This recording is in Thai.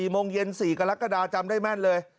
โมงเย็น๔กรกฎาจำได้แม่นเลย